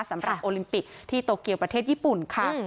สำหรับโอลิมปิกที่โตเกียวประเทศญี่ปุ่นค่ะ